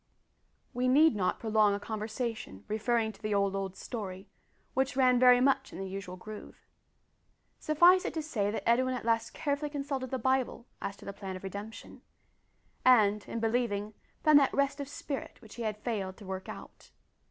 We need not prolong a conversation referring to the "old, old story," which ran very much in the usual groove. Suffice it to say that Edwin at last carefully consulted the Bible as to the plan of redemption; and, in believing, found that rest of spirit which he had failed to work out.